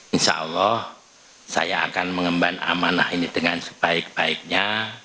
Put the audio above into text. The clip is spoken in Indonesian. insya allah saya akan mengemban amanah ini dengan sebaik baiknya